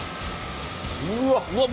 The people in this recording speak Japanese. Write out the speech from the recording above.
うわっうわっ